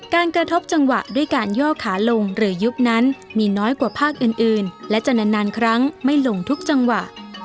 กระทบจังหวะด้วยการย่อขาลงหรือยุบนั้นมีน้อยกว่าภาคอื่นและจะนานครั้งไม่ลงทุกจังหวะ